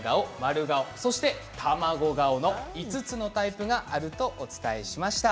そしてたまご顔５つのタイプがあるとお伝えしました。